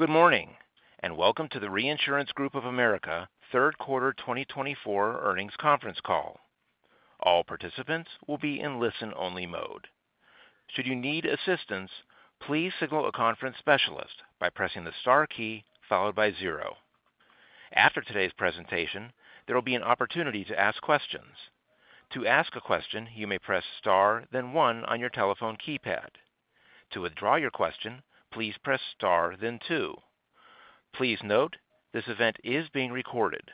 Good morning, and welcome to the Reinsurance Group of America third quarter 2024 earnings conference call. All participants will be in listen-only mode. Should you need assistance, please signal a conference specialist by pressing the star key followed by zero. After today's presentation, there will be an opportunity to ask questions. To ask a question, you may press star, then one on your telephone keypad. To withdraw your question, please press star, then two. Please note, this event is being recorded.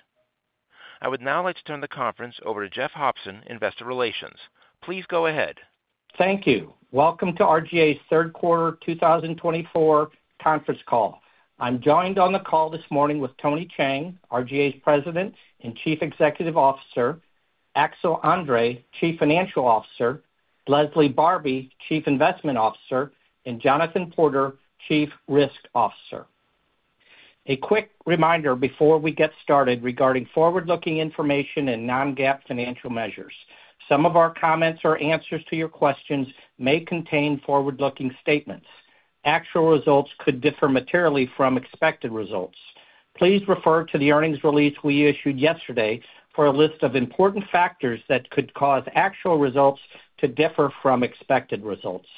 I would now like to turn the conference over to Jeff Hopson, Investor Relations. Please go ahead. Thank you. Welcome to RGA's third quarter 2024 conference call. I'm joined on the call this morning with Tony Cheng, RGA's President and Chief Executive Officer, Axel André, Chief Financial Officer, Leslie Barbi, Chief Investment Officer, and Jonathan Porter, Chief Risk Officer. A quick reminder before we get started regarding forward-looking information and non-GAAP financial measures. Some of our comments or answers to your questions may contain forward-looking statements. Actual results could differ materially from expected results. Please refer to the earnings release we issued yesterday for a list of important factors that could cause actual results to differ from expected results.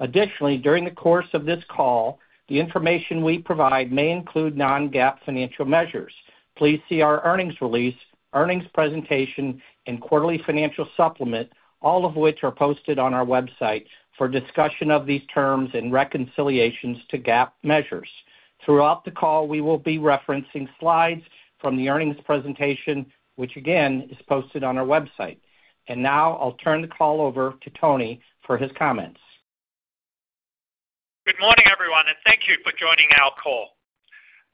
Additionally, during the course of this call, the information we provide may include non-GAAP financial measures. Please see our earnings release, earnings presentation, and quarterly financial supplement, all of which are posted on our website for discussion of these terms and reconciliations to GAAP measures. Throughout the call, we will be referencing slides from the earnings presentation, which again is posted on our website, and now I'll turn the call over to Tony for his comments. Good morning, everyone, and thank you for joining our call.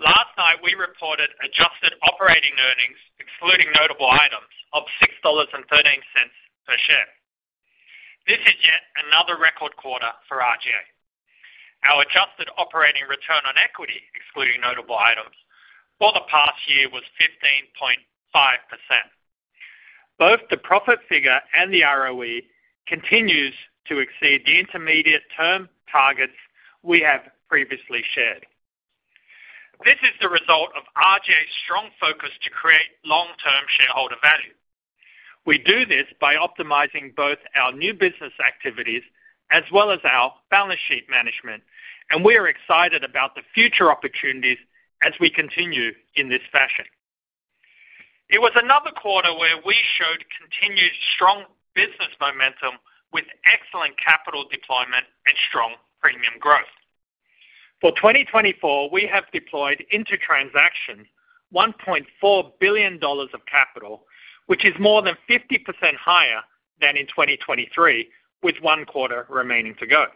Last night, we reported adjusted operating earnings, excluding notable items, of $6.13 per share. This is yet another record quarter for RGA. Our adjusted operating return on equity, excluding notable items, for the past year was 15.5%. Both the profit figure and the ROE continue to exceed the intermediate-term targets we have previously shared. This is the result of RGA's strong focus to create long-term shareholder value. We do this by optimizing both our new business activities as well as our balance sheet management, and we are excited about the future opportunities as we continue in this fashion. It was another quarter where we showed continued strong business momentum with excellent capital deployment and strong premium growth. For 2024, we have deployed into transaction $1.4 billion of capital, which is more than 50% higher than in 2023, with one quarter remaining to go.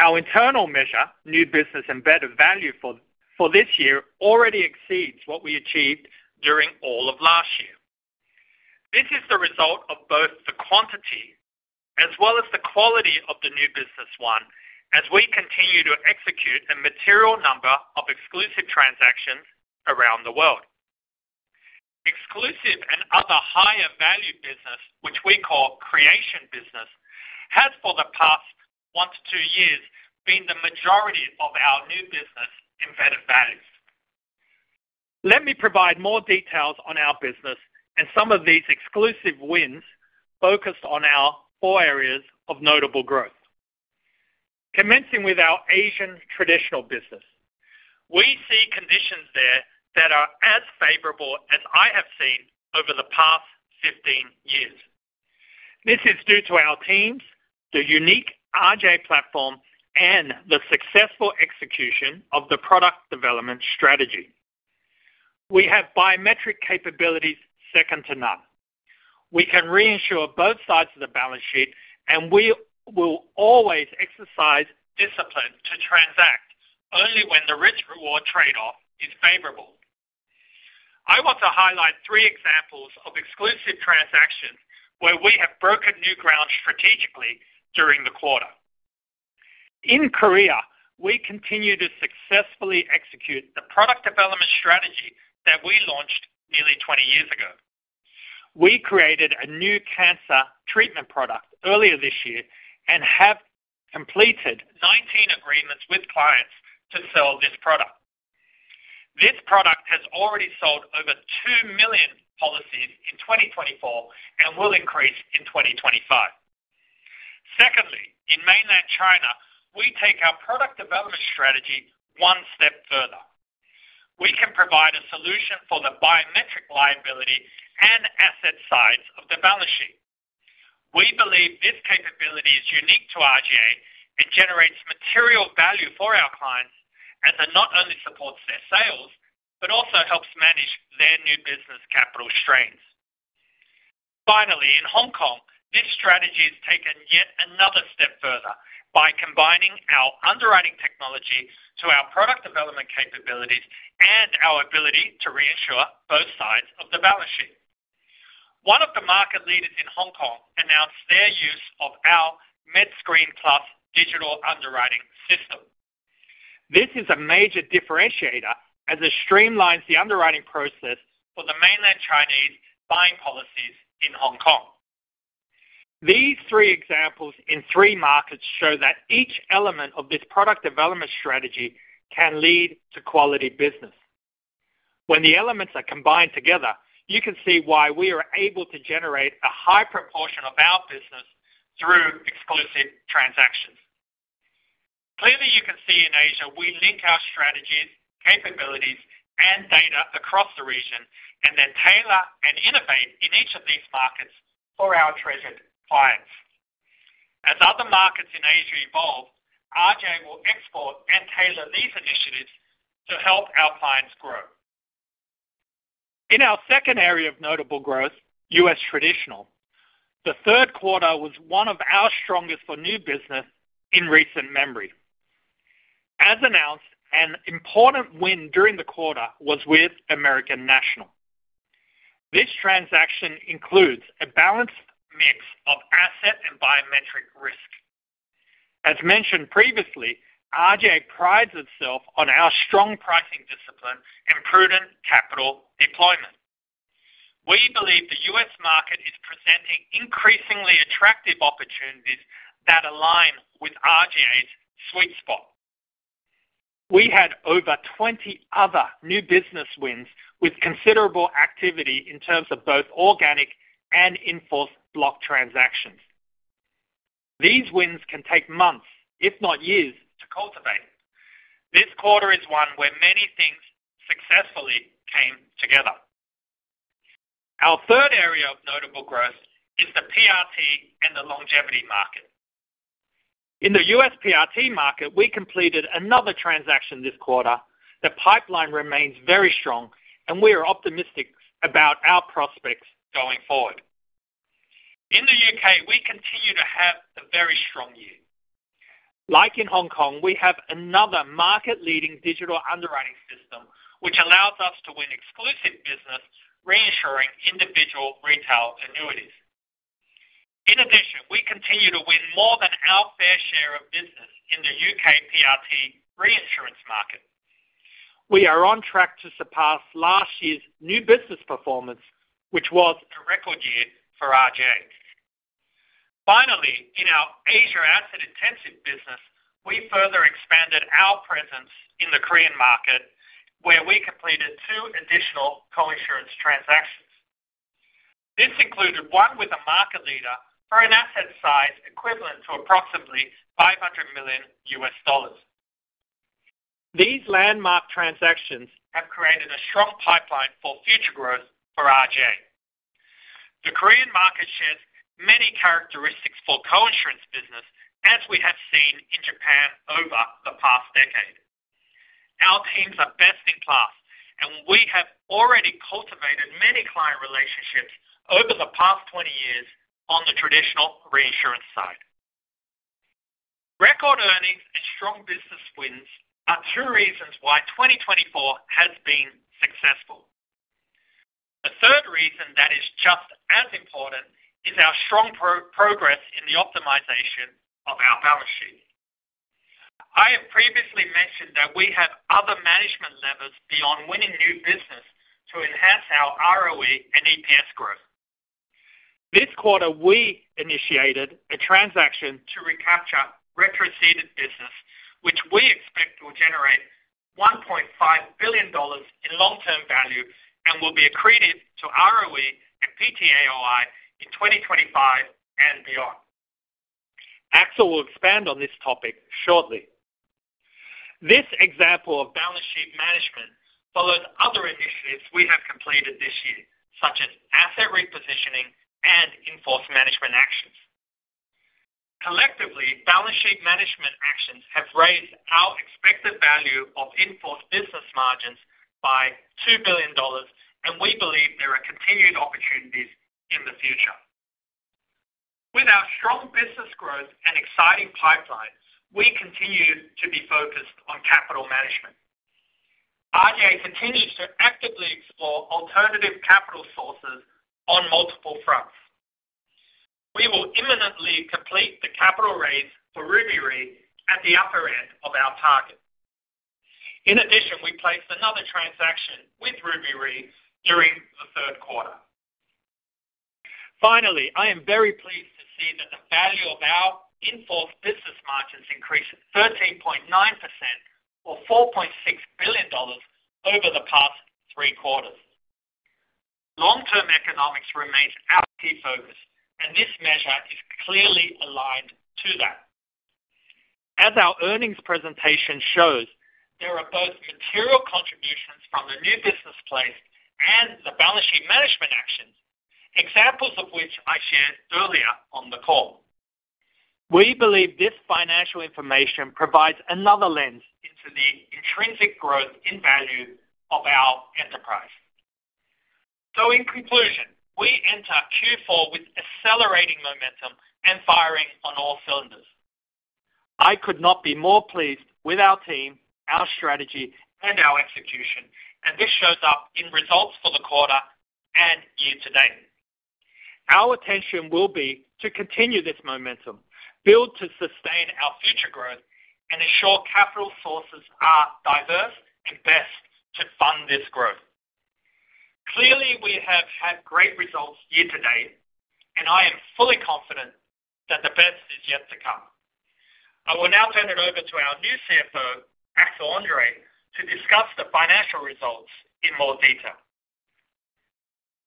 Our internal measure, new business embedded value for this year, already exceeds what we achieved during all of last year. This is the result of both the quantity as well as the quality of the new business won as we continue to execute a material number of exclusive transactions around the world. Exclusive and other higher value business, which we call creation business, has for the past one to two years been the majority of our new business embedded values. Let me provide more details on our business and some of these exclusive wins focused on our four areas of notable growth. Commencing with our Asian traditional business, we see conditions there that are as favorable as I have seen over the past 15 years. This is due to our teams, the unique RGA platform, and the successful execution of the product development strategy. We have biometric capabilities second to none. We can reinsure both sides of the balance sheet, and we will always exercise discipline to transact only when the risk-reward trade-off is favorable. I want to highlight three examples of exclusive transactions where we have broken new ground strategically during the quarter. In Korea, we continue to successfully execute the product development strategy that we launched nearly 20 years ago. We created a new cancer treatment product earlier this year and have completed 19 agreements with clients to sell this product. This product has already sold over 2 million policies in 2024 and will increase in 2025. Secondly, in Mainland China, we take our product development strategy one step further. We can provide a solution for the biometric liability and asset side of the balance sheet. We believe this capability is unique to RGA and generates material value for our clients as it not only supports their sales but also helps manage their new business capital strains. Finally, in Hong Kong, this strategy has taken yet another step further by combining our underwriting technology to our product development capabilities and our ability to reinsure both sides of the balance sheet. One of the market leaders in Hong Kong announced their use of our MedScreen+ digital underwriting system. This is a major differentiator as it streamlines the underwriting process for the Mainland Chinese buying policies in Hong Kong. These three examples in three markets show that each element of this product development strategy can lead to quality business. When the elements are combined together, you can see why we are able to generate a high proportion of our business through exclusive transactions. Clearly, you can see in Asia we link our strategies, capabilities, and data across the region and then tailor and innovate in each of these markets for our treasured clients. As other markets in Asia evolve, RGA will export and tailor these initiatives to help our clients grow. In our second area of notable growth, U.S. traditional, the third quarter was one of our strongest for new business in recent memory. As announced, an important win during the quarter was with American National. This transaction includes a balanced mix of asset and biometric risk. As mentioned previously, RGA prides itself on our strong pricing discipline and prudent capital deployment. We believe the U.S. market is presenting increasingly attractive opportunities that align with RGA's sweet spot. We had over 20 other new business wins with considerable activity in terms of both organic and in-force block transactions. These wins can take months, if not years, to cultivate. This quarter is one where many things successfully came together. Our third area of notable growth is the PRT and the longevity market. In the U.S. PRT market, we completed another transaction this quarter. The pipeline remains very strong, and we are optimistic about our prospects going forward. In the U.K., we continue to have a very strong year. Like in Hong Kong, we have another market-leading digital underwriting system which allows us to win exclusive business reinsuring individual retail annuities. In addition, we continue to win more than our fair share of business in the U.K. PRT reinsurance market. We are on track to surpass last year's new business performance, which was a record year for RGA. Finally, in our Asia asset-intensive business, we further expanded our presence in the Korean market where we completed two additional coinsurance transactions. This included one with a market leader for an asset size equivalent to approximately U.S. $500 million. These landmark transactions have created a strong pipeline for future growth for RGA. The Korean market shares many characteristics for coinsurance business as we have seen in Japan over the past decade. Our teams are best in class, and we have already cultivated many client relationships over the past 20 years on the traditional reinsurance side. Record earnings and strong business wins are two reasons why 2024 has been successful. A third reason that is just as important is our strong progress in the optimization of our balance sheet. I have previously mentioned that we have other management levers beyond winning new business to enhance our ROE and EPS growth. This quarter, we initiated a transaction to recapture retroceded business, which we expect will generate $1.5 billion in long-term value and will be accreted to ROE and PTAOI in 2025 and beyond. Axel will expand on this topic shortly. This example of balance sheet management follows other initiatives we have completed this year, such as asset repositioning and in-force management actions. Collectively, balance sheet management actions have raised our expected value of in-force business margins by $2 billion, and we believe there are continued opportunities in the future. With our strong business growth and exciting pipelines, we continue to be focused on capital management. RGA continues to actively explore alternative capital sources on multiple fronts. We will imminently complete the capital raise for Ruby Re at the upper end of our target. In addition, we placed another transaction with Ruby Re during the third quarter. Finally, I am very pleased to see that the value of our in-force business margins increased 13.9% or $4.6 billion over the past three quarters. Long-term economics remains our key focus, and this measure is clearly aligned to that. As our earnings presentation shows, there are both material contributions from the new business placed and the balance sheet management actions, examples of which I shared earlier on the call. We believe this financial information provides another lens into the intrinsic growth in value of our enterprise. So, in conclusion, we enter Q4 with accelerating momentum and firing on all cylinders. I could not be more pleased with our team, our strategy, and our execution, and this shows up in results for the quarter and year-to-date. Our attention will be to continue this momentum, build to sustain our future growth, and ensure capital sources are diverse and best to fund this growth. Clearly, we have had great results year-to-date, and I am fully confident that the best is yet to come. I will now turn it over to our new CFO, Axel André, to discuss the financial results in more detail.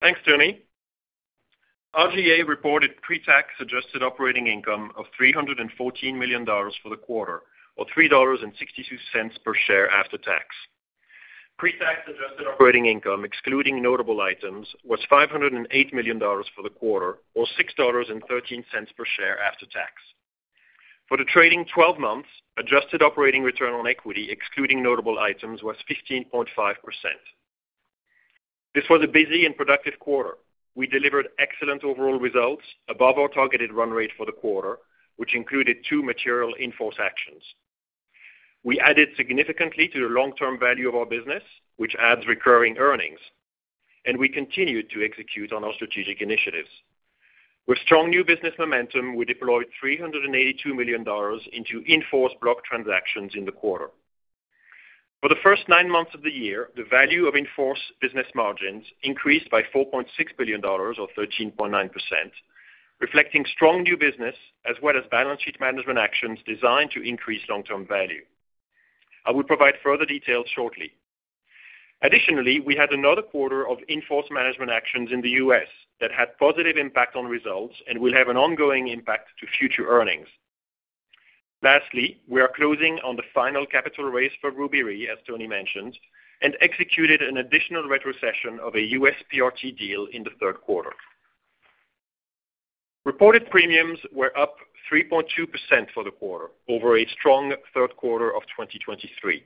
Thanks, Tony. RGA reported pre-tax adjusted operating income of $314 million for the quarter, or $3.62 per share after tax. Pre-tax adjusted operating income, excluding notable items, was $508 million for the quarter, or $6.13 per share after tax. For the trailing 12 months, adjusted operating return on equity, excluding notable items, was 15.5%. This was a busy and productive quarter. We delivered excellent overall results above our targeted run-rate for the quarter, which included two material in-force actions. We added significantly to the long-term value of our business, which adds recurring earnings, and we continued to execute on our strategic initiatives. With strong new business momentum, we deployed $382 million into in-force block transactions in the quarter. For the first nine months of the year, the value of in-force business margins increased by $4.6 billion, or 13.9%, reflecting strong new business as well as balance sheet management actions designed to increase long-term value. I will provide further details shortly. Additionally, we had another quarter of in-force management actions in the U.S. that had a positive impact on results and will have an ongoing impact to future earnings. Lastly, we are closing on the final capital raise for Ruby Re, as Tony mentioned, and executed an additional retrocession of a U.S. PRT deal in the third quarter. Reported premiums were up 3.2% for the quarter over a strong third quarter of 2023.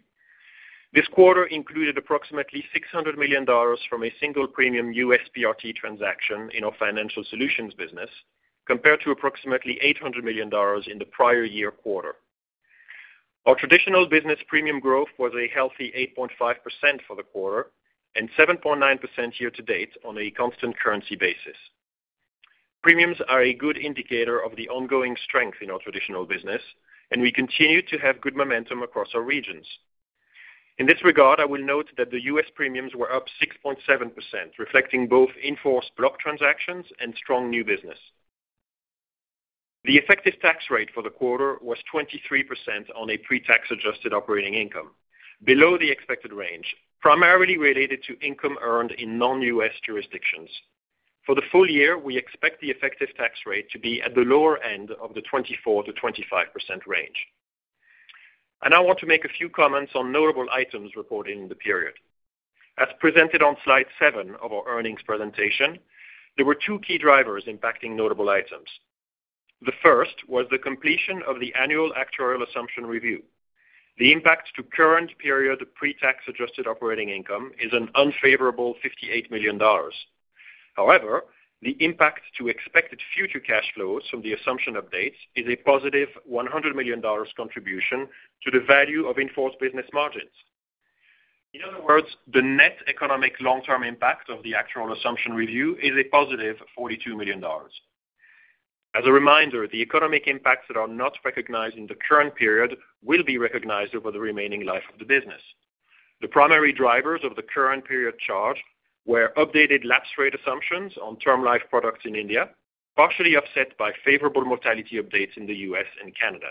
This quarter included approximately $600 million from a single premium U.S. PRT transaction in our financial solutions business, compared to approximately $800 million in the prior year quarter. Our traditional business premium growth was a healthy 8.5% for the quarter and 7.9% year-to-date on a constant currency basis. Premiums are a good indicator of the ongoing strength in our traditional business, and we continue to have good momentum across our regions. In this regard, I will note that the U.S. premiums were up 6.7%, reflecting both enforced block transactions and strong new business. The effective tax rate for the quarter was 23% on a pre-tax adjusted operating income, below the expected range, primarily related to income earned in non-U.S. jurisdictions. For the full year, we expect the effective tax rate to be at the lower end of the 24%-25% range. I want to make a few comments on notable items reported in the period. As presented on slide seven of our earnings presentation, there were two key drivers impacting notable items. The first was the completion of the annual actuarial assumption review. The impact to current period pre-tax adjusted operating income is an unfavorable $58 million. However, the impact to expected future cash flows from the assumption updates is a positive $100 million contribution to the value of in-force business margins. In other words, the net economic long-term impact of the annual assumption review is a positive $42 million. As a reminder, the economic impacts that are not recognized in the current period will be recognized over the remaining life of the business. The primary drivers of the current period charge were updated lapse rate assumptions on term life products in India, partially offset by favorable mortality updates in the U.S. and Canada.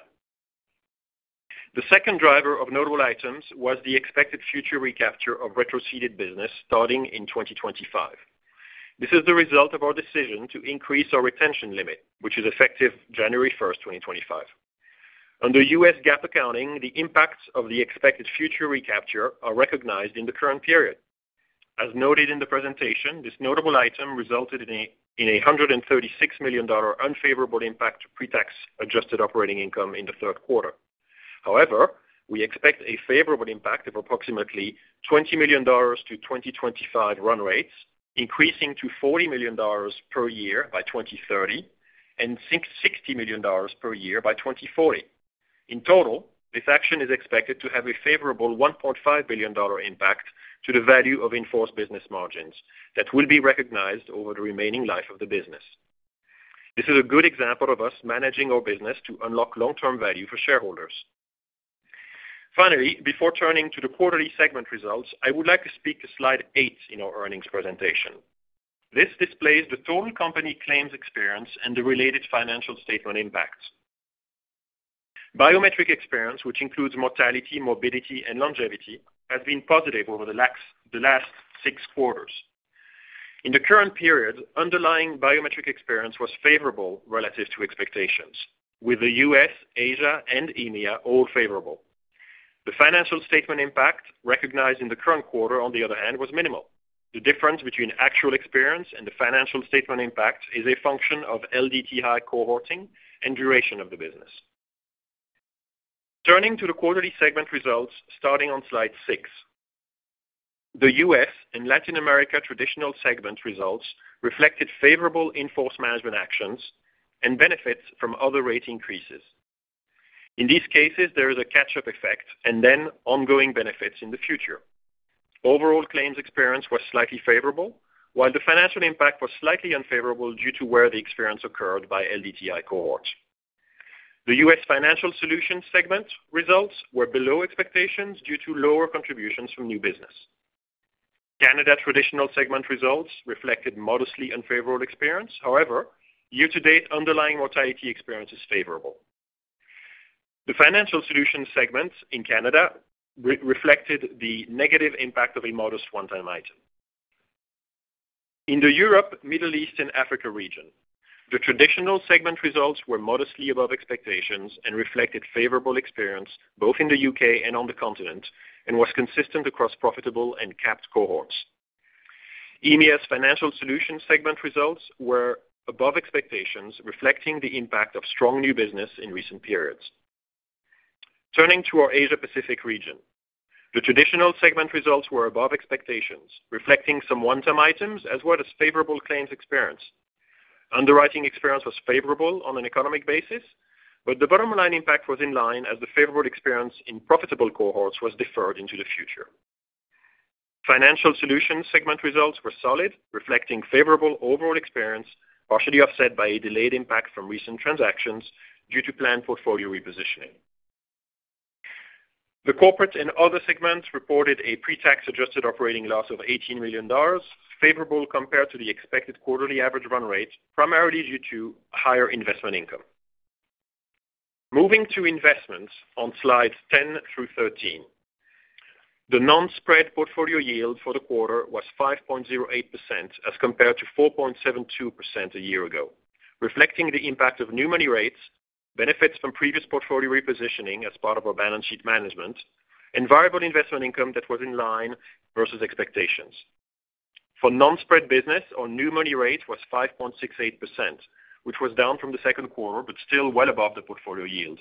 The second driver of notable items was the expected future recapture of retroceded business starting in 2025. This is the result of our decision to increase our retention limit, which is effective January 1st, 2025. Under U.S. GAAP accounting, the impacts of the expected future recapture are recognized in the current period. As noted in the presentation, this notable item resulted in a $136 million unfavorable impact to pre-tax adjusted operating income in the third quarter. However, we expect a favorable impact of approximately $20 million to 2025 run-rates, increasing to $40 million per year by 2030 and $60 million per year by 2040. In total, this action is expected to have a favorable $1.5 billion impact to the value of in-force business margins that will be recognized over the remaining life of the business. This is a good example of us managing our business to unlock long-term value for shareholders. Finally, before turning to the quarterly segment results, I would like to speak to slide eight in our earnings presentation. This displays the total company claims experience and the related financial statement impacts. Biometric experience, which includes mortality, morbidity, and longevity, has been positive over the last six quarters. In the current period, underlying biometric experience was favorable relative to expectations, with the U.S., Asia, and EMEA all favorable. The financial statement impact recognized in the current quarter, on the other hand, was minimal. The difference between actual experience and the financial statement impact is a function of LDTI cohorting and duration of the business. Turning to the quarterly segment results starting on slide six, the U.S. and Latin America traditional segment results reflected favorable in-force management actions and benefits from other rate increases. In these cases, there is a catch-up effect and then ongoing benefits in the future. Overall claims experience was slightly favorable, while the financial impact was slightly unfavorable due to where the experience occurred by LDTI cohorts. The U.S. financial solution segment results were below expectations due to lower contributions from new business. Canada traditional segment results reflected modestly unfavorable experience. However, year-to-date, underlying mortality experience is favorable. The financial solution segment in Canada reflected the negative impact of a modest one-time item. In the Europe, Middle East, and Africa region, the traditional segment results were modestly above expectations and reflected favorable experience both in the U.K. and on the continent and was consistent across profitable and capped cohorts. EMEA's financial solution segment results were above expectations, reflecting the impact of strong new business in recent periods. Turning to our Asia Pacific region, the traditional segment results were above expectations, reflecting some one-time items as well as favorable claims experience. Underwriting experience was favorable on an economic basis, but the bottom line impact was in line as the favorable experience in profitable cohorts was deferred into the future. Financial solutions segment results were solid, reflecting favorable overall experience, partially offset by a delayed impact from recent transactions due to planned portfolio repositioning. The corporate and other segments reported a pre-tax adjusted operating loss of $18 million, favorable compared to the expected quarterly average run-rate, primarily due to higher investment income. Moving to investments on slides 10 through 13, the non-spread portfolio yield for the quarter was 5.08% as compared to 4.72% a year ago, reflecting the impact of new money rates, benefits from previous portfolio repositioning as part of our balance sheet management, and variable investment income that was in line versus expectations. For non-spread business, our new money rate was 5.68%, which was down from the second quarter but still well above the portfolio yield.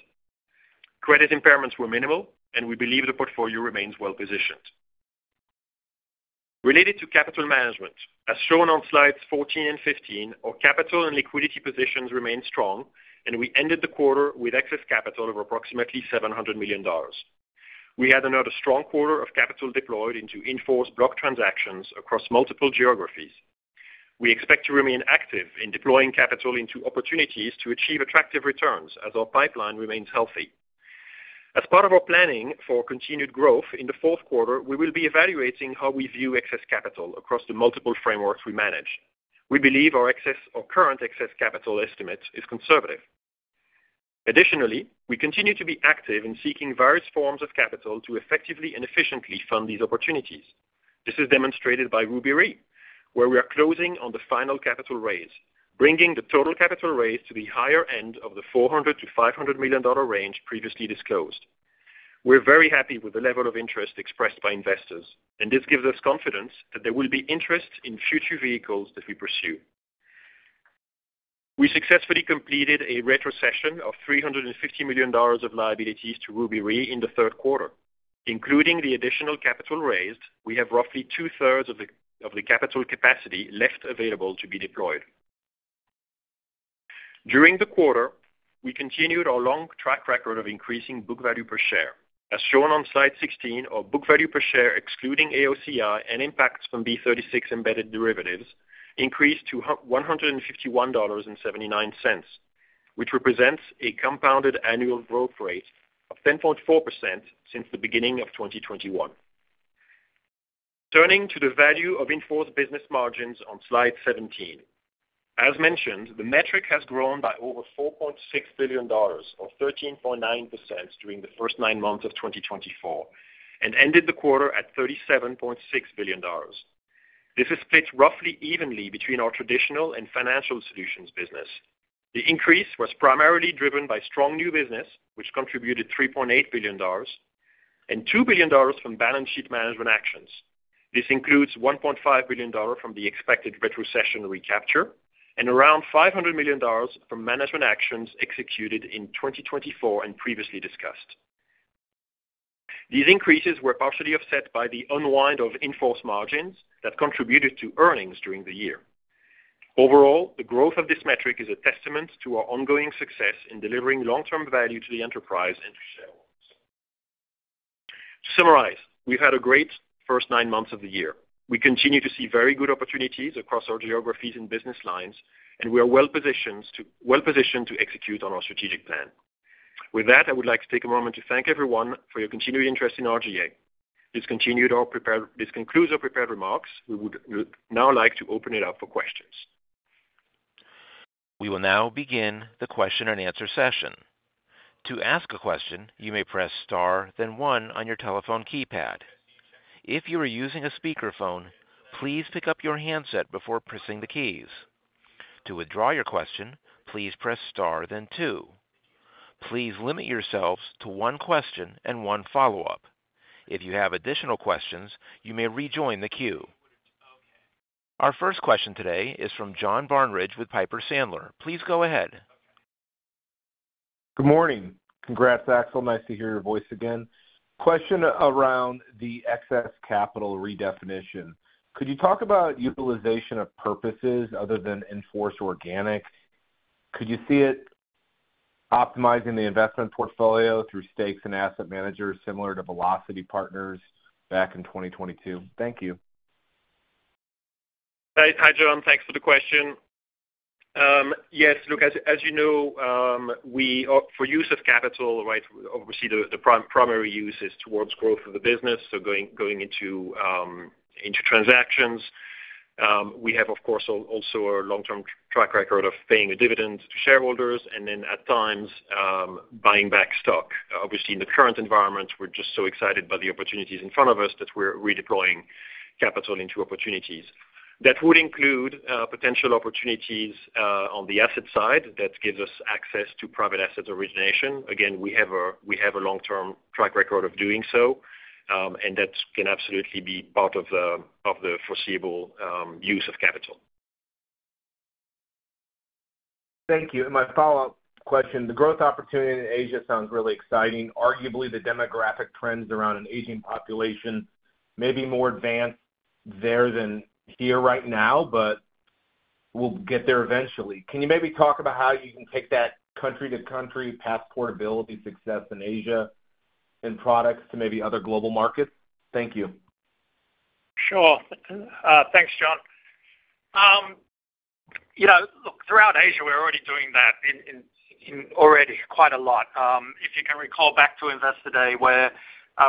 Credit impairments were minimal, and we believe the portfolio remains well positioned. Related to capital management, as shown on slides 14 and 15, our capital and liquidity positions remained strong, and we ended the quarter with excess capital of approximately $700 million. We had another strong quarter of capital deployed into in-force block transactions across multiple geographies. We expect to remain active in deploying capital into opportunities to achieve attractive returns as our pipeline remains healthy. As part of our planning for continued growth in the fourth quarter, we will be evaluating how we view excess capital across the multiple frameworks we manage. We believe our current excess capital estimate is conservative. Additionally, we continue to be active in seeking various forms of capital to effectively and efficiently fund these opportunities. This is demonstrated by Ruby Re, where we are closing on the final capital raise, bringing the total capital raise to the higher end of the $400 million-$500 million range previously disclosed. We're very happy with the level of interest expressed by investors, and this gives us confidence that there will be interest in future vehicles that we pursue. We successfully completed a retrocession of $350 million of liabilities to Ruby Re in the third quarter. Including the additional capital raised, we have roughly 2/3 of the capital capacity left available to be deployed. During the quarter, we continued our long track record of increasing book value per share. As shown on slide 16, our book value per share, excluding AOCI and impacts from B36 Embedded Derivatives, increased to $151.79, which represents a compounded annual growth rate of 10.4% since the beginning of 2021. Turning to the value of in-force business margins on slide 17, as mentioned, the metric has grown by over $4.6 billion, or 13.9%, during the first nine months of 2024 and ended the quarter at $37.6 billion. This is split roughly evenly between our traditional and financial solutions business. The increase was primarily driven by strong new business, which contributed $3.8 billion, and $2 billion from balance sheet management actions. This includes $1.5 billion from the expected retrocession recapture and around $500 million from management actions executed in 2024 and previously discussed. These increases were partially offset by the unwind of in-force margins that contributed to earnings during the year. Overall, the growth of this metric is a testament to our ongoing success in delivering long-term value to the enterprise and to shareholders. To summarize, we've had a great first nine months of the year. We continue to see very good opportunities across our geographies and business lines, and we are well positioned to execute on our strategic plan. With that, I would like to take a moment to thank everyone for your continued interest in RGA. This concludes our prepared remarks. We would now like to open it up for questions. We will now begin the question and answer session. To ask a question, you may press star, then one on your telephone keypad. If you are using a speakerphone, please pick up your handset before pressing the keys. To withdraw your question, please press star, then two. Please limit yourselves to one question and one follow-up. If you have additional questions, you may rejoin the queue. Our first question today is from John Barnidge with Piper Sandler. Please go ahead. Good morning. Congrats, Axel. Nice to hear your voice again. Question around the excess capital redefinition. Could you talk about utilization of purposes other than in-force organic? Could you see it optimizing the investment portfolio through stakes and asset managers similar to velocity partners back in 2022? Thank you. Hi, John. Thanks for the question. Yes, look, as you know, for use of capital, obviously the primary use is towards growth of the business, so going into transactions. We have, of course, also a long-term track record of paying a dividend to shareholders and then, at times, buying back stock. Obviously, in the current environment, we're just so excited by the opportunities in front of us that we're redeploying capital into opportunities. That would include potential opportunities on the asset side that gives us access to private asset origination. Again, we have a long-term track record of doing so, and that can absolutely be part of the foreseeable use of capital. Thank you. And my follow-up question, the growth opportunity in Asia sounds really exciting. Arguably, the demographic trends around an aging population may be more advanced there than here right now, but we'll get there eventually. Can you maybe talk about how you can take that country-to-country passport ability success in Asia and products to maybe other global markets? Thank you. Sure. Thanks, John. Look, throughout Asia, we're already doing that quite a lot. If you can recall back to Investor Day, where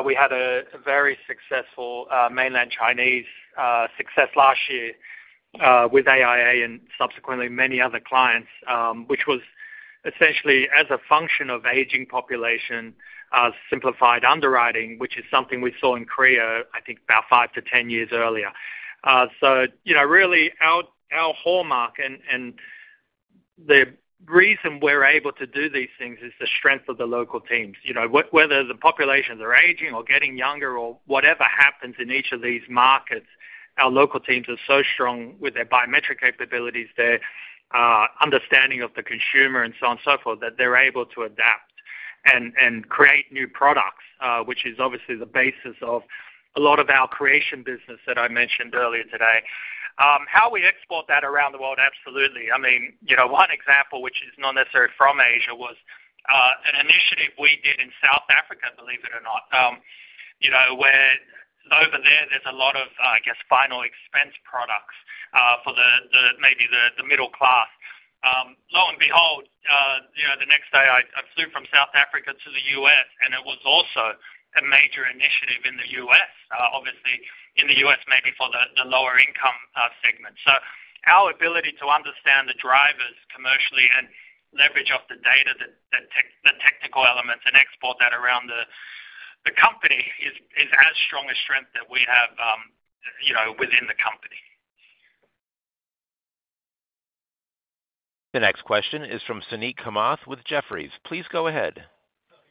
we had a very successful Mainland Chinese success last year with AIA and subsequently many other clients, which was essentially as a function of aging population simplified underwriting, which is something we saw in Korea, I think, about five to 10 years earlier. So really, our hallmark and the reason we're able to do these things is the strength of the local teams. Whether the populations are aging or getting younger or whatever happens in each of these markets, our local teams are so strong with their biometric capabilities, their understanding of the consumer, and so on and so forth, that they're able to adapt and create new products, which is obviously the basis of a lot of our creation business that I mentioned earlier today. How we export that around the world, absolutely. I mean, one example, which is not necessarily from Asia, was an initiative we did in South Africa, believe it or not, where over there there's a lot of, I guess, final expense products for maybe the middle class. Lo and behold, the next day, I flew from South Africa to the U.S., and it was also a major initiative in the U.S., obviously, in the U.S. maybe for the lower-income segment. So our ability to understand the drivers commercially and leverage off the data, the technical elements, and export that around the company is as strong a strength that we have within the company. The next question is from Suneet Kamath with Jefferies. Please go ahead.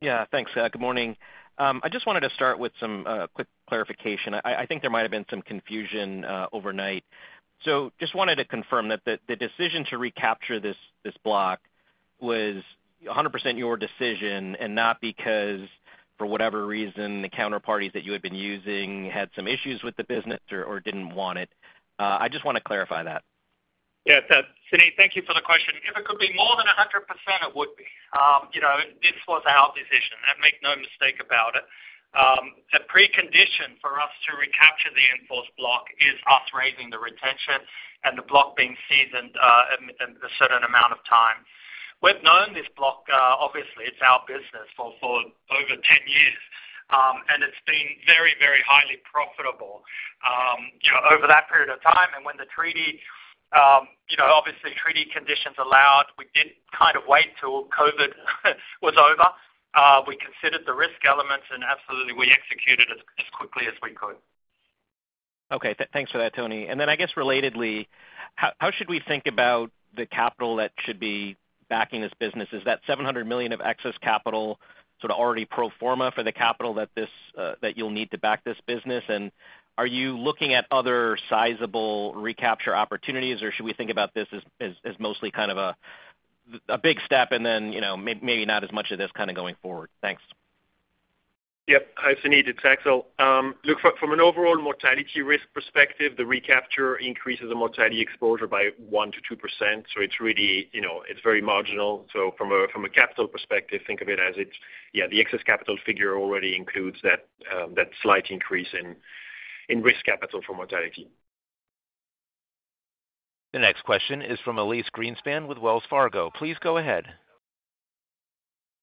Yeah, thanks. Good morning. I just wanted to start with some quick clarification. I think there might have been some confusion overnight. Just wanted to confirm that the decision to recapture this block was 100% your decision and not because, for whatever reason, the counterparties that you had been using had some issues with the business or didn't want it. I just want to clarify that. Yeah, Suneet, thank you for the question. If it could be more than 100%, it would be. This was our decision. Make no mistake about it. The precondition for us to recapture the in-force block is us raising the retention and the block being seasoned a certain amount of time. We've known this block, obviously. It's our business for over 10 years, and it's been very, very highly profitable over that period of time. And when the treaty, obviously, treaty conditions allowed, we did kind of wait till COVID was over. We considered the risk elements, and absolutely, we executed as quickly as we could. Okay. Thanks for that, Tony. And then, I guess, relatedly, how should we think about the capital that should be backing this business? Is that $700 million of excess capital sort of already pro forma for the capital that you'll need to back this business? And are you looking at other sizable recapture opportunities, or should we think about this as mostly kind of a big step and then maybe not as much of this kind of going forward? Thanks. Yep. Hi, Suneet it's Axel. Look, from an overall mortality risk perspective, the recapture increases the mortality exposure by 1%-2%. So it's very marginal. So from a capital perspective, think of it as the excess capital figure already includes that slight increase in risk capital for mortality. The next question is from Elyse Greenspan with Wells Fargo. Please go ahead.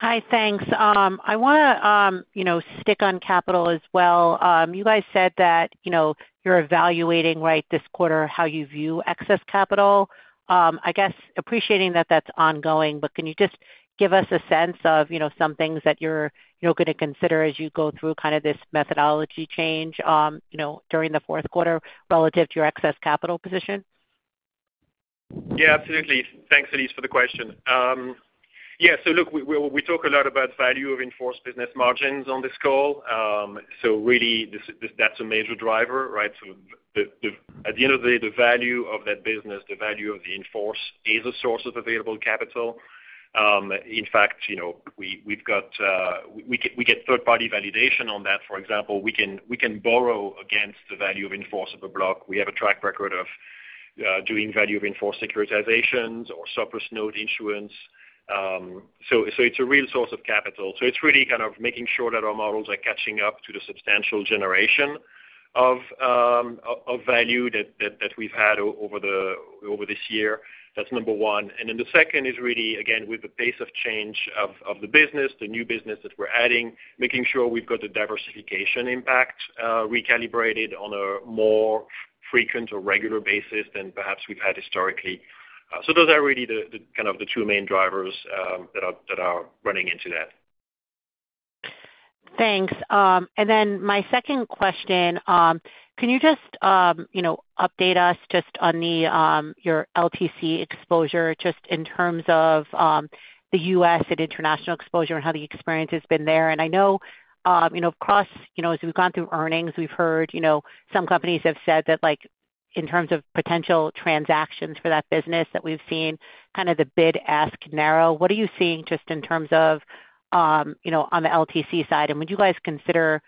Hi, thanks. I want to stick on capital as well. You guys said that you're evaluating this quarter how you view excess capital. I guess, appreciating that that's ongoing, but can you just give us a sense of some things that you're going to consider as you go through kind of this methodology change during the fourth quarter relative to your excess capital position? Yeah, absolutely. Thanks, Elyse, for the question. Yeah. So look, we talk a lot about value of in-force business margins on this call. So really, that's a major driver, right? So at the end of the day, the value of that business, the value of the in-force is a source of available capital. In fact, we get third-party validation on that. For example, we can borrow against the value of in-force block. We have a track record of doing value of in-force securitizations or surplus note insurance. So it's a real source of capital. So it's really kind of making sure that our models are catching up to the substantial generation of value that we've had over this year. That's number one. And then the second is really, again, with the pace of change of the business, the new business that we're adding, making sure we've got the diversification impact recalibrated on a more frequent or regular basis than perhaps we've had historically. So those are really kind of the two main drivers that are running into that. Thanks. And then my second question, can you just update us just on your LTC exposure just in terms of the U.S. and international exposure and how the experience has been there? And I know across, as we've gone through earnings, we've heard some companies have said that in terms of potential transactions for that business that we've seen, kind of the bid ask narrow, what are you seeing just in terms of on the LTC side? And would you guys consider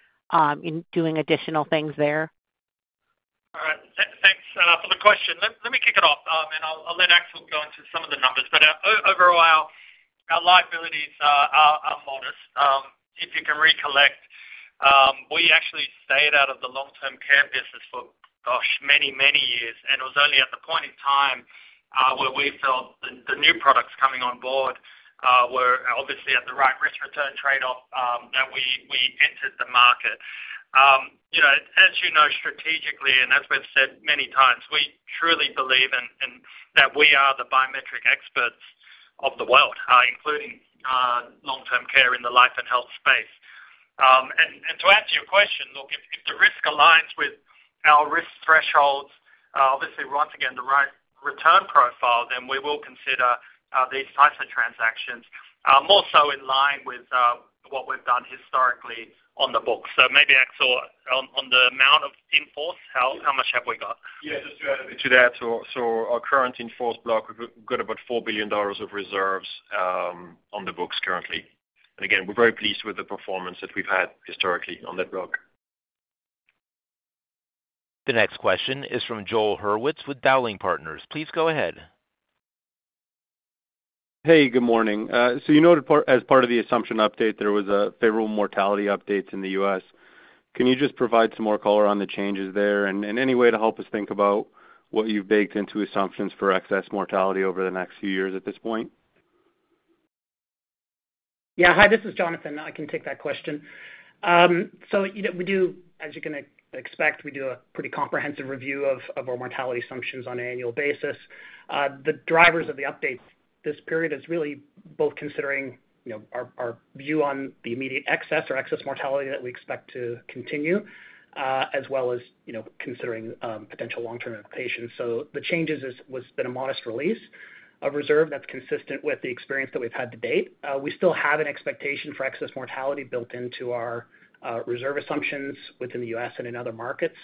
doing additional things there? All right. Thanks for the question. Let me kick it off, and I'll let Axel go into some of the numbers. But overall, our liabilities are modest. If you can recollect, we actually stayed out of the long-term care business for, gosh, many, many years. And it was only at the point in time where we felt the new products coming on board were obviously at the right risk-return trade-off that we entered the market. As you know, strategically, and as we've said many times, we truly believe in that we are the biometric experts of the world, including long-term care in the life and health space. And to answer your question, look, if the risk aligns with our risk thresholds, obviously, once again, the right return profile, then we will consider these types of transactions more so in line with what we've done historically on the books. So maybe, Axel, on the amount of in-force, how much have we got? Yeah, just to add a bit to that. So our current in-force block, we've got about $4 billion of reserves on the books currently. And again, we're very pleased with the performance that we've had historically on that block. The next question is from Joel Hurwitz with Dowling & Partners. Please go ahead. Hey, good morning. So you noted as part of the assumption update, there was a favorable mortality update in the U.S. Can you just provide some more color on the changes there and any way to help us think about what you've baked into assumptions for excess mortality over the next few years at this point? Yeah. Hi, this is Jonathan. I can take that question. So we do, as you can expect, we do a pretty comprehensive review of our mortality assumptions on an annual basis. The drivers of the update this period is really both considering our view on the immediate excess or excess mortality that we expect to continue as well as considering potential long-term implications. So the changes have been a modest release of reserve that's consistent with the experience that we've had to date. We still have an expectation for excess mortality built into our reserve assumptions within the U.S. and in other markets.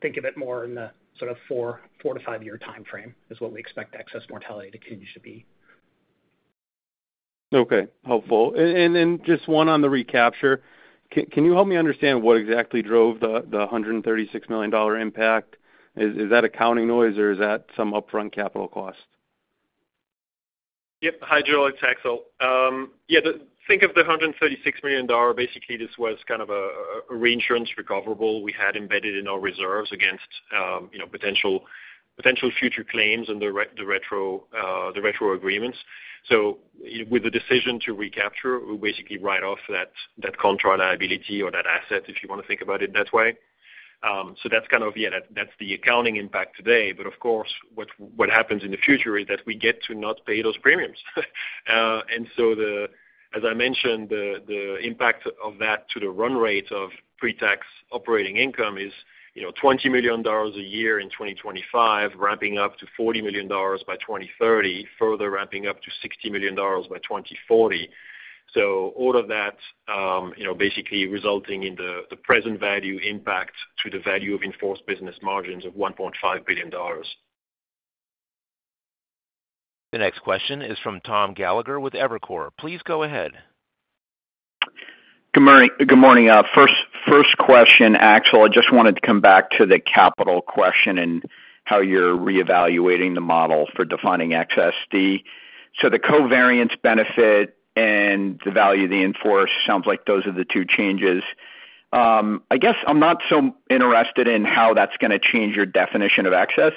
Think of it more in the sort of four- to five-year timeframe is what we expect excess mortality to continue to be. Okay. Helpful. And then just one on the recapture. Can you help me understand what exactly drove the $136 million impact? Is that accounting noise, or is that some upfront capital cost? Yep. Hi, Joel it's Axel. Yeah. Think of the $136 million. Basically, this was kind of a reinsurance recoverable we had embedded in our reserves against potential future claims and the retro agreements. So with the decision to recapture, we basically write off that contra liability or that asset if you want to think about it that way. So that's kind of, yeah, that's the accounting impact today. But of course, what happens in the future is that we get to not pay those premiums. And so, as I mentioned, the impact of that to the run-rate of pre-tax operating income is $20 million a year in 2025, ramping up to $40 million by 2030, further ramping up to $60 million by 2040. So all of that basically resulting in the present value impact to the value of in-force business margins of $1.5 billion. The next question is from Tom Gallagher with Evercore. Please go ahead. Good morning. First question, Axel. I just wanted to come back to the capital question and how you're reevaluating the model for defining excess. So the covariance benefit and the value of the in-force sounds like those are the two changes. I guess I'm not so interested in how that's going to change your definition of excess.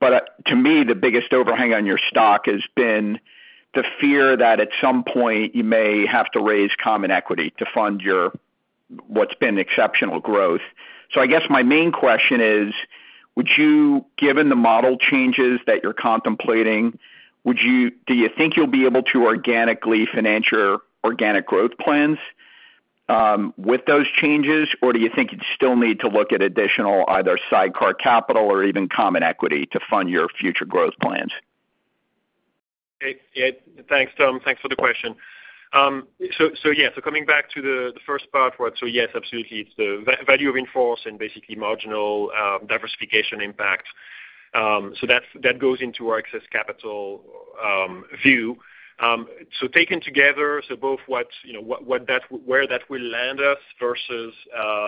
But to me, the biggest overhang on your stock has been the fear that at some point you may have to raise common equity to fund what's been exceptional growth. So I guess my main question is, given the model changes that you're contemplating, do you think you'll be able to organically finance your organic growth plans with those changes, or do you think you'd still need to look at additional either sidecar capital or even common equity to fund your future growth plans? Thanks, Tom. Thanks for the question. So yeah, so coming back to the first part, so yes, absolutely, it's the value of in-force and basically marginal diversification impact. So that goes into our excess capital view. So taken together, both what that where that will land us versus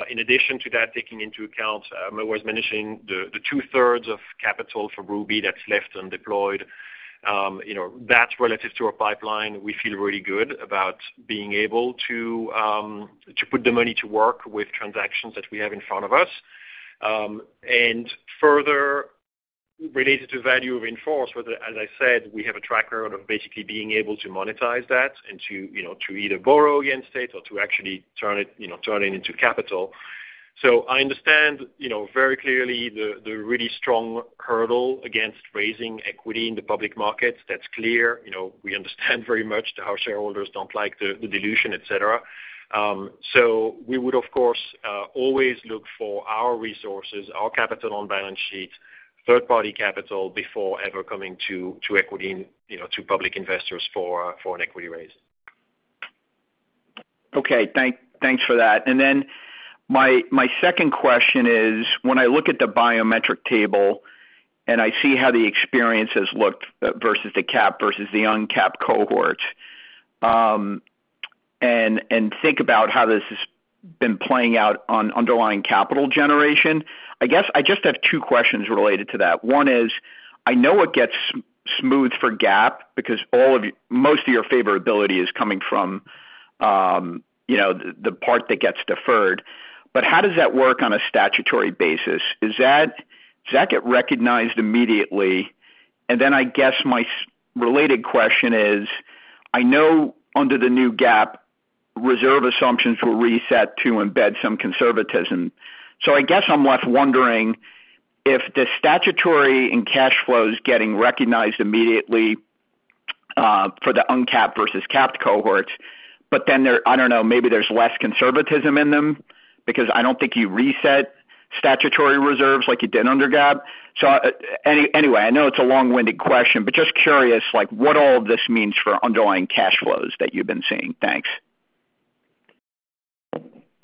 in addition to that, taking into account what I was mentioning, the two-thirds of capital for Ruby that's left undeployed, that's relative to our pipeline. We feel really good about being able to put the money to work with transactions that we have in front of us. And further related to value of in-force, as I said, we have a track record of basically being able to monetize that and to either borrow against it or to actually turn it into capital. I understand very clearly the really strong hurdle against raising equity in the public markets. That's clear. We understand very much how shareholders don't like the dilution, etc. So we would, of course, always look for our resources, our capital on balance sheet, third-party capital before ever coming to equity to public investors for an equity raise. Okay. Thanks for that. And then my second question is, when I look at the biometric table and I see how the experience has looked versus the cap versus the uncapped cohorts and think about how this has been playing out on underlying capital generation, I guess I just have two questions related to that. One is, I know it gets smoothed for GAAP because most of your favorability is coming from the part that gets deferred. But how does that work on a statutory basis? Does that get recognized immediately? And then I guess my related question is, I know under the new GAAP, reserve assumptions were reset to embed some conservatism. So I guess I'm left wondering if the statutory and cash flows are getting recognized immediately for the uncapped versus capped cohorts, but then I don't know, maybe there's less conservatism in them because I don't think you reset statutory reserves like you did under GAAP. So anyway, I know it's a long-winded question, but just curious what all of this means for underlying cash flows that you've been seeing. Thanks.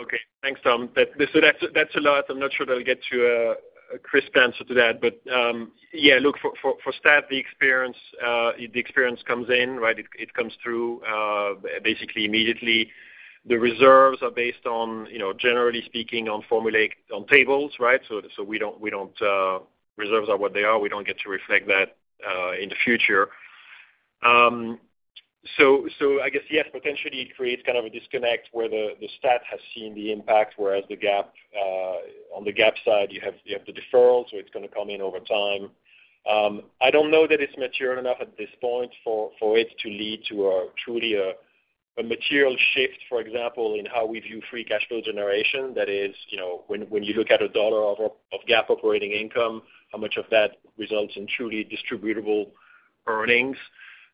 Okay. Thanks, Tom. So that's a lot. I'm not sure that I'll get to a crisp answer to that. But yeah, look, for stat, the experience comes in, right? It comes through basically immediately. The reserves are based on, generally speaking, on formulaic tables, right? So reserves are what they are. We don't get to reflect that in the future. So I guess, yes, potentially it creates kind of a disconnect where the stat has seen the impact, whereas on the gap side, you have the deferral, so it's going to come in over time. I don't know that it's mature enough at this point for it to lead to truly a material shift, for example, in how we view free cash flow generation. That is, when you look at a dollar of gap operating income, how much of that results in truly distributable earnings.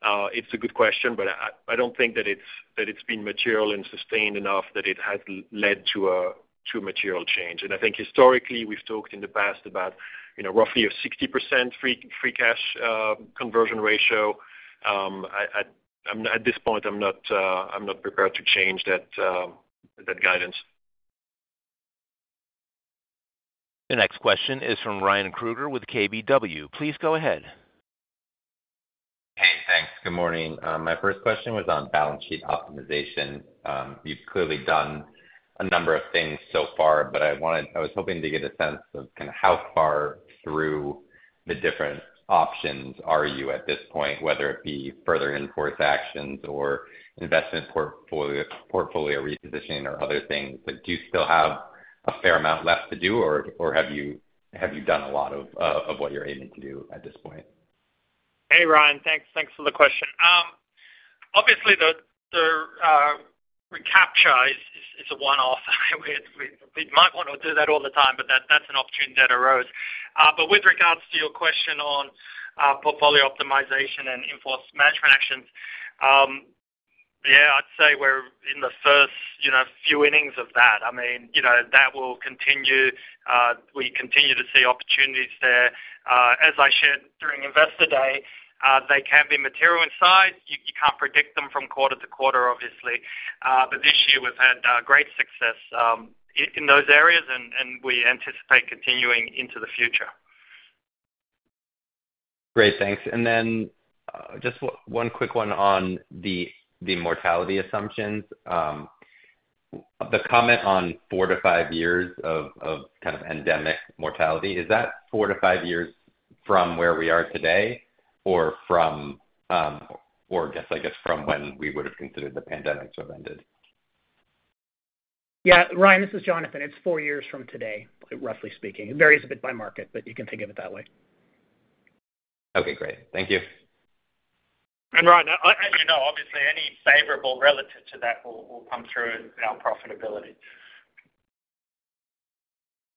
It's a good question, but I don't think that it's been material and sustained enough that it has led to a true material change. And I think historically, we've talked in the past about roughly a 60% free cash conversion ratio. At this point, I'm not prepared to change that guidance. The next question is from Ryan Krueger with KBW. Please go ahead. Hey, thanks. Good morning. My first question was on balance sheet optimization. You've clearly done a number of things so far, but I was hoping to get a sense of kind of how far through the different options are you at this point, whether it be further in-force actions or investment portfolio repositioning or other things. Do you still have a fair amount left to do, or have you done a lot of what you're aiming to do at this point? Hey, Ryan. Thanks for the question. Obviously, the recapture is a one-off. We might want to do that all the time, but that's an opportunity that arose. But with regards to your question on portfolio optimization and in-force management actions, yeah, I'd say we're in the first few innings of that. I mean, that will continue. We continue to see opportunities there. As I shared during investor day, they can be material in size. You can't predict them from quarter to quarter, obviously. But this year, we've had great success in those areas, and we anticipate continuing into the future. Great. Thanks. And then just one quick one on the mortality assumptions. The comment on four to five years of kind of endemic mortality, is that four to five years from where we are today or just, I guess, from when we would have considered the pandemic to have ended? Yeah. Ryan, this is Jonathan. It's four years from today, roughly speaking. It varies a bit by market, but you can think of it that way. Okay. Great. Thank you. And Ryan, obviously, any favorable relative to that will come through in our profitability.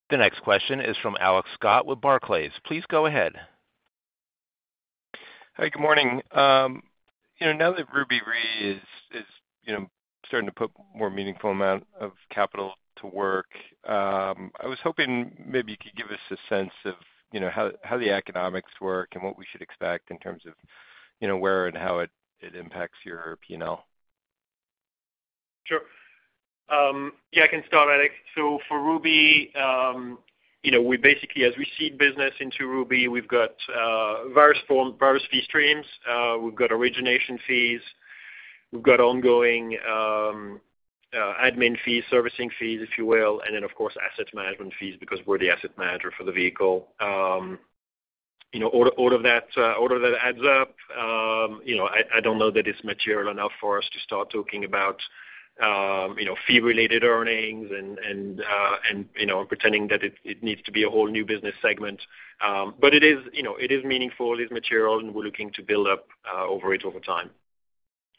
The next question is from Alex Scott with Barclays. Please go ahead. Hi, good morning. Now that Ruby Re is starting to put a more meaningful amount of capital to work, I was hoping maybe you could give us a sense of how the economics work and what we should expect in terms of where and how it impacts your P&L. Sure. Yeah, I can start, Alex. So for Ruby, we basically, as we seed business into Ruby, we've got various fee streams. We've got origination fees. We've got ongoing admin fees, servicing fees, if you will, and then, of course, asset management fees because we're the asset manager for the vehicle. All of that adds up. I don't know that it's material enough for us to start talking about fee-related earnings and pretending that it needs to be a whole new business segment. It is meaningful. It is material, and we're looking to build up over it over time.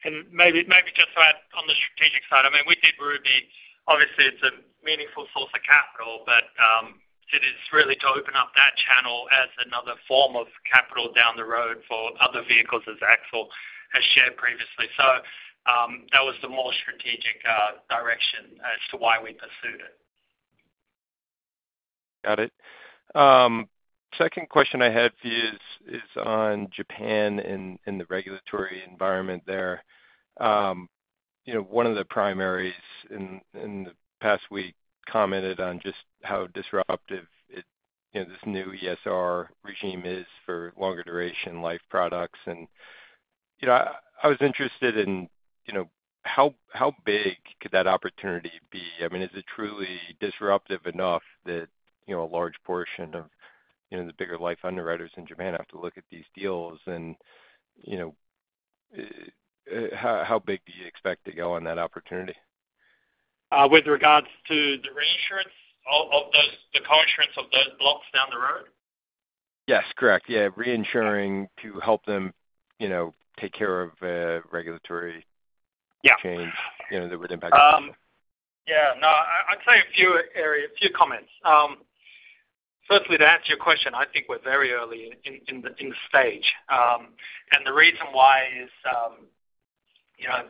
Maybe just to add on the strategic side, I mean, we did Ruby Re. Obviously, it's a meaningful source of capital, but it is really to open up that channel as another form of capital down the road for other vehicles, as Axel has shared previously. So that was the more strategic direction as to why we pursued it. Got it. Second question I had for you is on Japan and the regulatory environment there. One of the primaries in the past week commented on just how disruptive this new ESR regime is for longer duration life products. I was interested in how big could that opportunity be? I mean, is it truly disruptive enough that a large portion of the bigger life underwriters in Japan have to look at these deals? And how big do you expect to go on that opportunity? With regards to the reinsurance of the coinsurance of those blocks down the road? Yes, correct. Yeah, reinsuring to help them take care of regulatory change that would impact them. Yeah. No, I'd say a few comments. Firstly, to answer your question, I think we're very early in the stage, and the reason why is,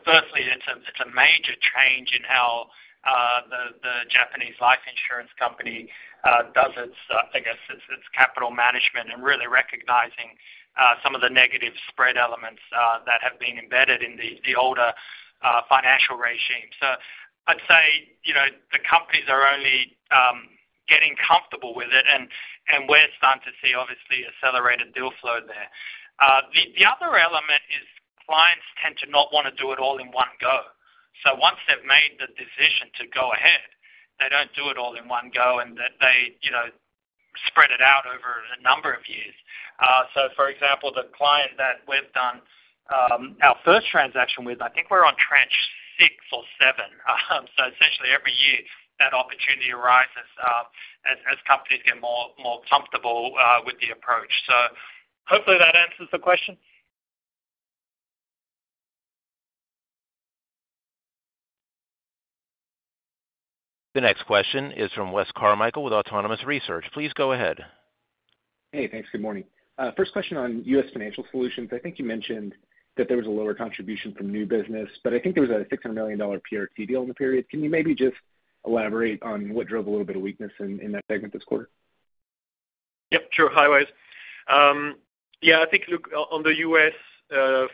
firstly, it's a major change in how the Japanese life insurance company does its, I guess, its capital management and really recognizing some of the negative spread elements that have been embedded in the older financial regime, so I'd say the companies are only getting comfortable with it, and we're starting to see, obviously, accelerated deal flow there. The other element is clients tend to not want to do it all in one go. So once they've made the decision to go ahead, they don't do it all in one go and that they spread it out over a number of years. So, for example, the client that we've done our first transaction with, I think we're on tranche six or seven. So essentially, every year, that opportunity arises as companies get more comfortable with the approach. So hopefully, that answers the question. The next question is from Wes Carmichael with Autonomous Research. Please go ahead. Hey, thanks. Good morning. First question on U.S. financial solutions. I think you mentioned that there was a lower contribution from new business, but I think there was a $600 million PRT deal in the period. Can you maybe just elaborate on what drove a little bit of weakness in that segment this quarter? Yep. Sure. Hi, Wes. Yeah, I think, look, on the U.S.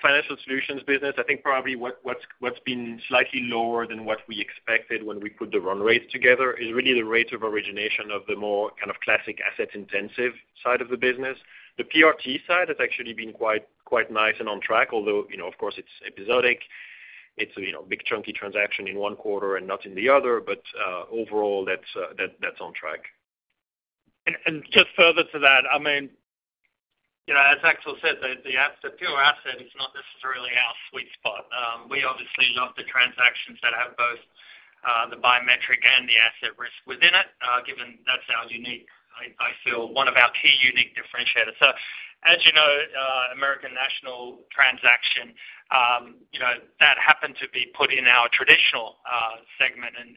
financial solutions business, I think probably what's been slightly lower than what we expected when we put the run-rates together is really the rate of origination of the more kind of classic asset-intensive side of the business. The PRT side has actually been quite nice and on track, although, of course, it's episodic. It's a big chunky transaction in one quarter and not in the other, but overall, that's on track. And just further to that, I mean, as Axel André said, the pure asset is not necessarily our sweet spot. We obviously love the transactions that have both the biometric and the asset risk within it, given that's our unique, I feel, one of our key unique differentiators. So, as you know, American National transaction, that happened to be put in our traditional segment and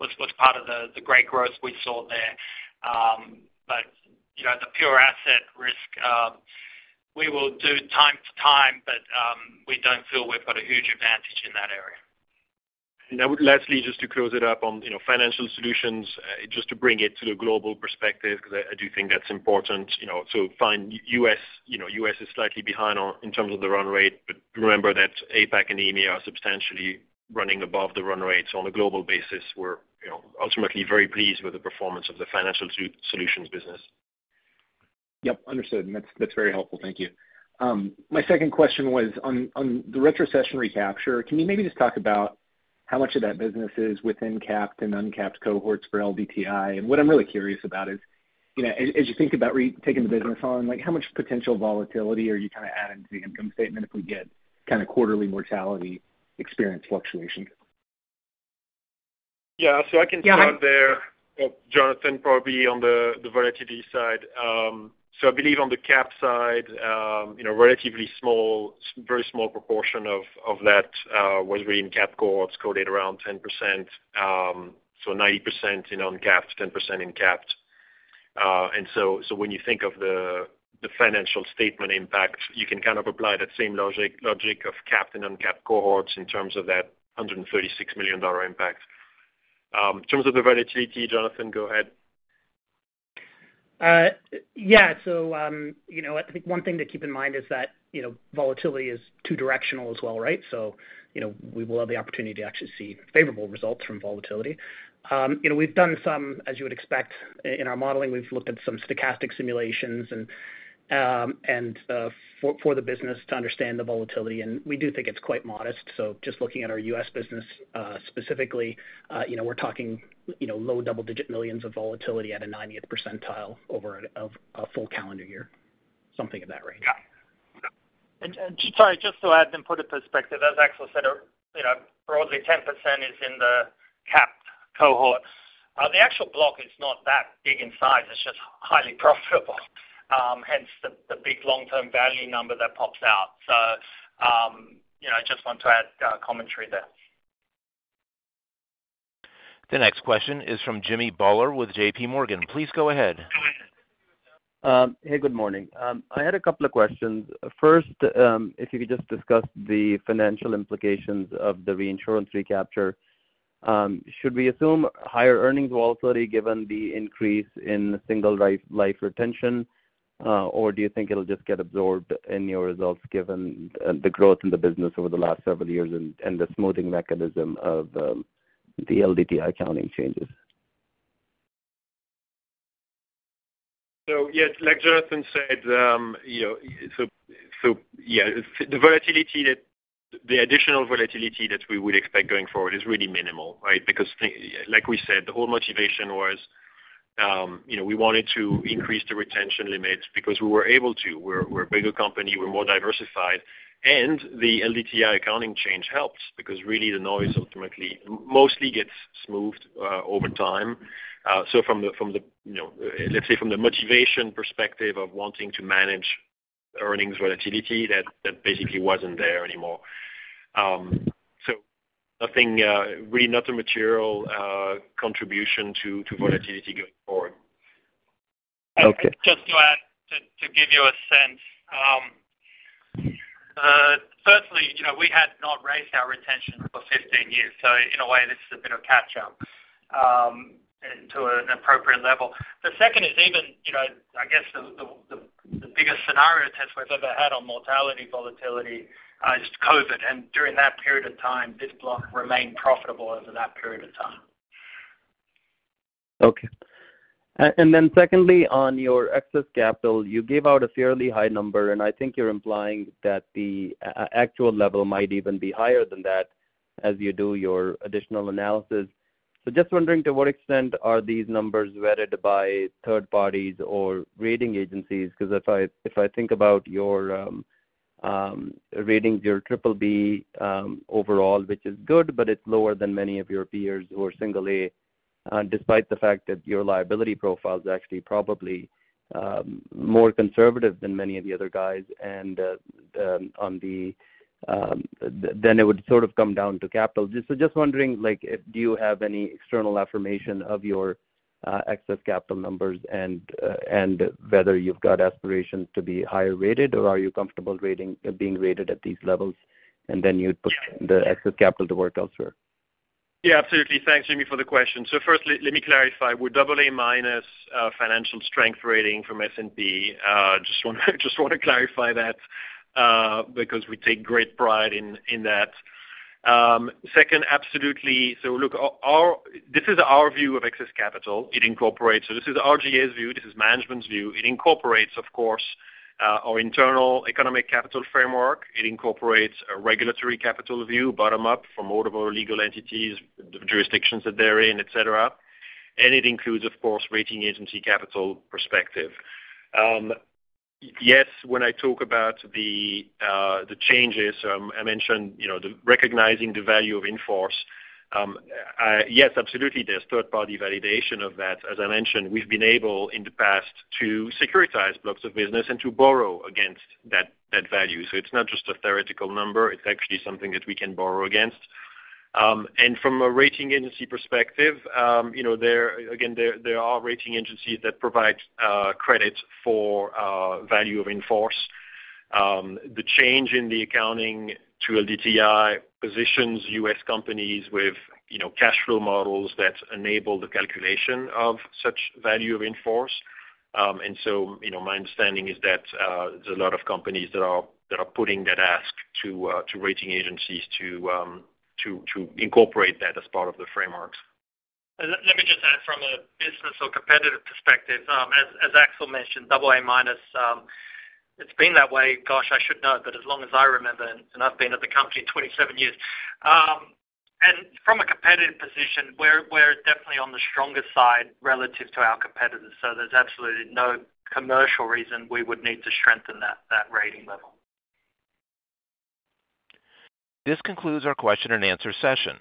was part of the great growth we saw there. But the pure asset risk, we will do from time to time, but we don't feel we've got a huge advantage in that area. And I would lastly, just to close it up on financial solutions, just to bring it to the global perspective because I do think that's important. So U.S. is slightly behind in terms of the run-rate, but remember that APAC and EMEA are substantially running above the run-rate. So on a global basis, we're ultimately very pleased with the performance of the financial solutions business. Yep. Understood. That's very helpful. Thank you. My second question was, on the retrocession recapture, can you maybe just talk about how much of that business is within capped and uncapped cohorts for LDTI? What I'm really curious about is, as you think about taking the business on, how much potential volatility are you kind of adding to the income statement if we get kind of quarterly mortality experience fluctuations? Yeah. I can start there. Jonathan, probably on the mortality side. I believe on the cap side, relatively small, very small proportion of that was really in capped cohorts was around 10%. 90% in uncapped, 10% in capped. When you think of the financial statement impact, you can kind of apply that same logic of capped and uncapped cohorts in terms of that $136 million impact. In terms of the volatility, Jonathan, go ahead. Yeah. I think one thing to keep in mind is that volatility is two-directional as well, right? We will have the opportunity to actually see favorable results from volatility. We've done some, as you would expect, in our modeling. We've looked at some stochastic simulations for the business to understand the volatility. And we do think it's quite modest. So just looking at our U.S. business specifically, we're talking low double-digit millions of volatility at a 90th percentile over a full calendar year, something of that range. And sorry, just to add and put a perspective, as Axel said, broadly, 10% is in the capped cohort. The actual block is not that big in size. It's just highly profitable, hence the big long-term value number that pops out. So I just want to add commentary there. The next question is from Jimmy Bhullar with J.P. Morgan. Please go ahead. Hey, good morning. I had a couple of questions. First, if you could just discuss the financial implications of the reinsurance recapture. Should we assume higher earnings volatility given the increase in single life retention, or do you think it'll just get absorbed in your results given the growth in the business over the last several years and the smoothing mechanism of the LDTI accounting changes? So yeah, like Jonathan said, so yeah, the additional volatility that we would expect going forward is really minimal, right? Because, like we said, the whole motivation was we wanted to increase the retention limits because we were able to. We're a bigger company. We're more diversified. And the LDTI accounting change helps because, really, the noise ultimately mostly gets smoothed over time. So, let's say, from the motivation perspective of wanting to manage earnings volatility, that basically wasn't there anymore. So really not a material contribution to volatility going forward. Just to give you a sense, firstly, we had not raised our retention for 15 years. So in a way, this is a bit of catch-up to an appropriate level. The second is even, I guess, the biggest scenario test we've ever had on mortality volatility is COVID. And during that period of time, this block remained profitable. Okay. And then secondly, on your excess capital, you gave out a fairly high number, and I think you're implying that the actual level might even be higher than that as you do your additional analysis. So just wondering to what extent are these numbers vetted by third parties or rating agencies? Because if I think about your ratings, you're BBB overall, which is good, but it's lower than many of your peers who are [single A], despite the fact that your liability profile is actually probably more conservative than many of the other guys. And then it would sort of come down to capital. So just wondering, do you have any external affirmation of your excess capital numbers and whether you've got aspirations to be higher rated, or are you comfortable being rated at these levels and then you'd put the excess capital to work elsewhere? Yeah, absolutely. Thanks, Jimmy, for the question. So first, let me clarify. We're AA- financial strength rating from S&P. Just want to clarify that because we take great pride in that. Second, absolutely. So look, this is our view of excess capital. So this is RGA's view. This is management's view. It incorporates, of course, our internal economic capital framework. It incorporates a regulatory capital view bottom-up from all of our legal entities, the jurisdictions that they're in, etc. And it includes, of course, rating agency capital perspective. Yes, when I talk about the changes, I mentioned recognizing the value of in-force. Yes, absolutely. There's third-party validation of that. As I mentioned, we've been able in the past to securitize blocks of business and to borrow against that value. So it's not just a theoretical number. It's actually something that we can borrow against. And from a rating agency perspective, again, there are rating agencies that provide credit for value of in-force. The change in the accounting to LDTI positions U.S. companies with cash flow models that enable the calculation of such value of in-force. And so my understanding is that there's a lot of companies that are putting that ask to rating agencies to incorporate that as part of the frameworks. Let me just add from a business or competitive perspective. As Axel mentioned, AA-. It's been that way. Gosh, I should know. But as long as I remember, and I've been at the company 27 years. And from a competitive position, we're definitely on the strongest side relative to our competitors. So there's absolutely no commercial reason we would need to strengthen that rating level. This concludes our question and answer session.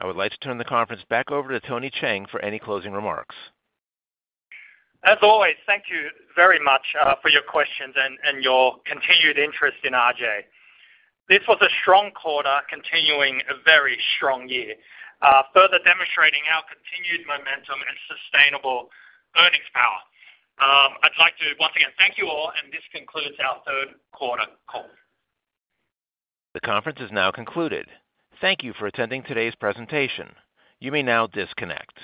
I would like to turn the conference back over to Tony Cheng for any closing remarks. As always, thank you very much for your questions and your continued interest in RGA. This was a strong quarter, continuing a very strong year, further demonstrating our continued momentum and sustainable earnings power. I'd like to once again thank you all, and this concludes our third quarter call. The conference is now concluded. Thank you for attending today's presentation. You may now disconnect.